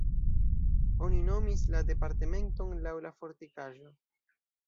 Oni nomis la departementon laŭ la fortikaĵo.